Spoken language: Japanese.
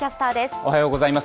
おはようございます。